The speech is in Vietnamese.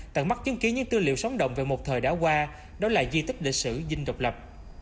tận mắt chứng kiến những tư liệu sóng động về một thời đã qua đó là di tích lịch sử dinh độc lập